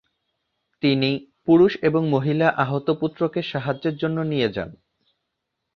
তিনি, পুরুষ এবং মহিলা আহত পুত্রকে সাহায্যের জন্য নিয়ে যান।